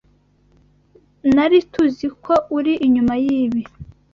Nari tuziko uri inyuma yibi.